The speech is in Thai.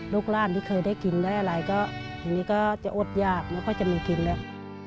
ลูกหลานที่เคยได้กินได้อะไรก็ทีนี้ก็จะอดยากไม่ค่อยจะมีกินแล้ว